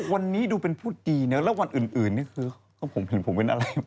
วันเกิดไม่กล้าพูด